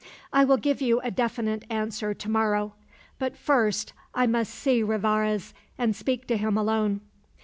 "I will give you a definite answer to morrow. But first I must see Rivarez and speak to him alone."